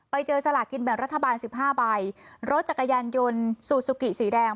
ไปเจอสลากินแบ่งรัฐบาลสิบห้าใบรถจักรยานยนต์ซูซูกิสีแดง